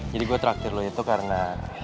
jadi gue traktir lo itu karena